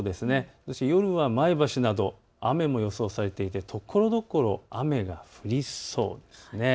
そして夜は前橋など雨も予想されていてところどころ雨が降りそうです。